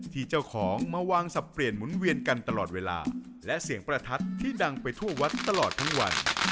ที่เจ้าของมาวางสับเปลี่ยนหมุนเวียนกันตลอดเวลาและเสียงประทัดที่ดังไปทั่ววัดตลอดทั้งวัน